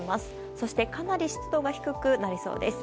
そしてかなり湿度が低くなりそうです。